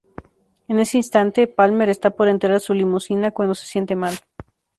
En ese instante, Palmer está por entrar a su limusina, cuando se siente mal.